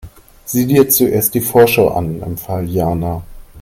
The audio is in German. Sieh dir zuerst die Vorschau an, empfahl Jana.